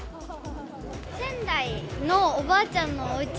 仙台のおばあちゃんのおうち